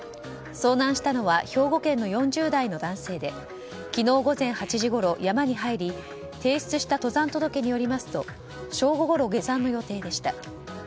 遭難したのは兵庫県の４０代の男性で昨日午前８時ごろ山に入り提出した登山届によりますと正午ごろ下山の予定でした。